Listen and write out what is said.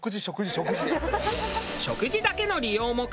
食事だけの利用も可能。